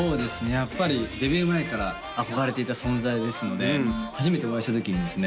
やっぱりデビュー前から憧れていた存在ですので初めてお会いしたときにですね